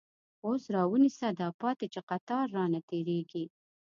اوس راونیسه داپاتی، چی قطار رانه تير یږی